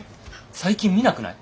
最近見なくない？